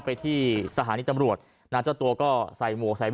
ปอล์กับโรเบิร์ตหน่อยไหมครับ